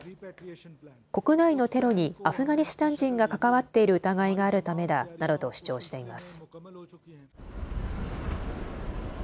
国内のテロにアフガニスタン人が関わっている疑いがあるためだなどと主張しています。